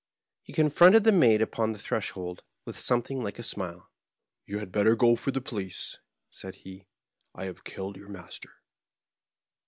He confronted the maid npon the threshold with something like a smile. " You had better go for the police," said he ; "I have killed your master."